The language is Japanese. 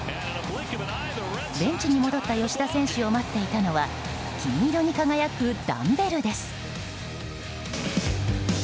ベンチに戻った吉田選手を待っていたのは金色に輝くダンベルです。